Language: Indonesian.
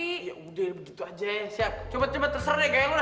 ya udah begitu aja ya siap coba coba terser deh gaya lo dah